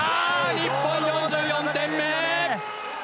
日本、４４点目。